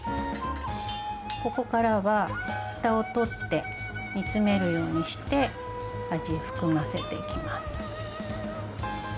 ここからはフタを取って煮つめるようにして味含ませていきます。